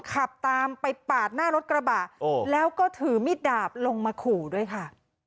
ขับตามไปปาดหน้ารถกระบะแล้วก็ถือมิดดาบลงมาขู่ด้วยค่ะ